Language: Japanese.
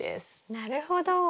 なるほど。